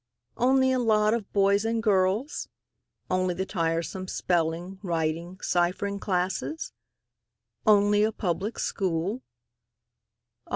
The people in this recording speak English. Only a lot of boys and girls? Only the tiresome spelling, writing, ciphering classes? Only a Public School?